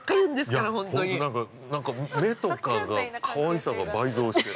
◆いや本当、なんか目とかがかわいさが倍増してる。